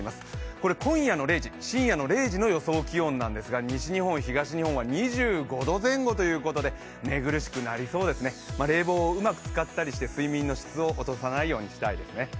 これ、今夜の０時、深夜０時の予想気温ですが西日本、東日本は２５度前後ということで寝苦しくなりそうですね、冷房をうまく使ったりして、睡眠の質をうまく落とさないようにしたいですね。